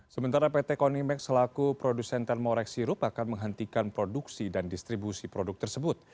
sementara pt konimex selaku produsen termorex sirup akan menghentikan produksi dan distribusi produk tersebut